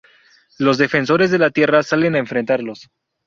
Los defensores de la Tierra salen a enfrentarlos.